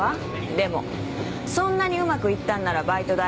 でもそんなにうまくいったんならバイト代